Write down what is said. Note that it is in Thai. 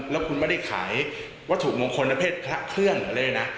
แล้วคุณไม่ได้ขายวัตถุงงคลอเผ็ดพระเครื่องหรืออะไรนะ